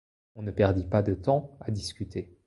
On ne perdit pas de temps à discuter.